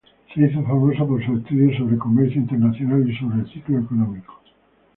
Se hizo famoso por sus estudios sobre comercio internacional y sobre el ciclo económico.